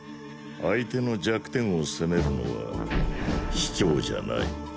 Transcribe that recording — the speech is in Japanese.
相手の弱点を攻めるのは卑怯じゃない。